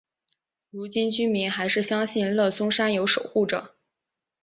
如今居民还是相信乐松山有守护者。